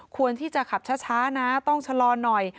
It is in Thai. ควรที่จะขับช้านะต้องชะลอหน่อย